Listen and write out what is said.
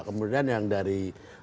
kemudian yang dari